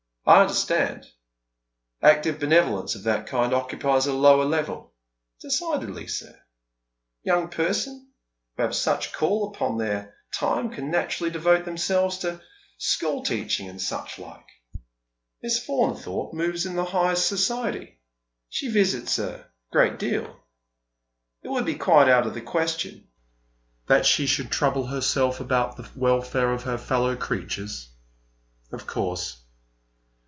" I understand. Active benevolence of that kind occupies a lower level." " Decidedly, sir. Young persons who have less call upon their time can naturally devote themselves to scho*! teaching and suob 17^ Dead Men's Shoes. like. Misa Faunthorpe moves in the highest society — she visits a great deal. It would be quite out of the question " "That she should trouble herself about the welfare of her inferior fellow creatures. Of course.